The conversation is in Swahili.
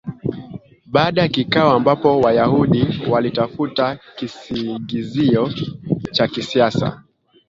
Baada ya kikao ambapo Wayahudi walitafuta kisingizio cha kisiasa